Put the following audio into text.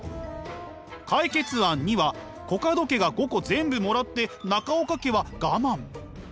解決案②はコカド家が５個全部もらって中岡家は我慢。